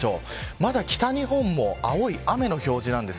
まだ北日本も青い雨の表示です。